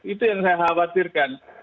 itu yang saya khawatirkan